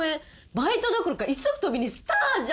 バイトどころか一足飛びにスターじゃん！